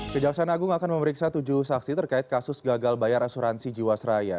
kejaksaan agung akan memeriksa tujuh saksi terkait kasus gagal bayar asuransi jiwasraya